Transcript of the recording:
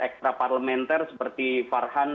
ekstraparlimenter seperti farhan